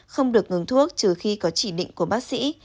không được ngừng thuốc trừ khi có chỉ định của bác sĩ